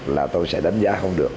là tôi sẽ đánh giá không được